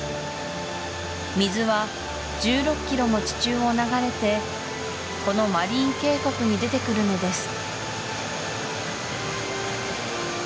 水は１６キロも地中を流れてこのマリーン渓谷に出てくるのです